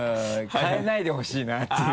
変えないでほしいなっていう。